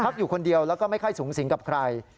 อยู่คนเดียวแล้วก็ไม่ค่อยสูงสิงกับใคร